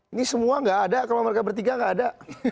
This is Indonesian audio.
ini semua nggak ada kalau mereka bertiga gak ada